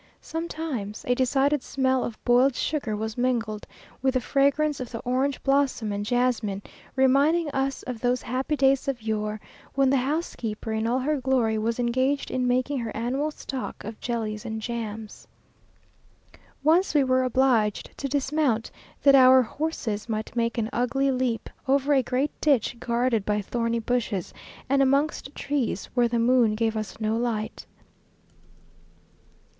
Sometimes a decided smell of boiled sugar was mingled with the fragrance of the orange blossom and jasmine; reminding us of those happy days of yore, when the housekeeper in all her glory, was engaged in making her annual stock of jellies and jams. Once we were obliged to dismount, that our horses might make an ugly leap over a great ditch guarded by thorny bushes, and amongst trees where the moon gave us no light.